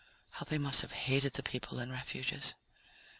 How they must have hated the people in refuges!